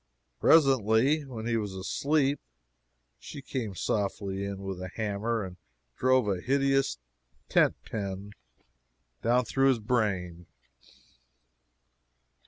Presently when he was asleep she came softly in with a hammer and drove a hideous tent pen down through his brain!